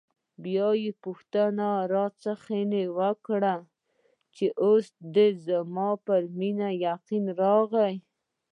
بیا یې پوښتنه راڅخه وکړه: اوس دې زما پر مینې یقین راغلی؟